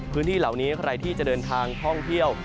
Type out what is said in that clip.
พื้นที่เหล่านี้ใครที่จะเดินทางท่องเที่ยว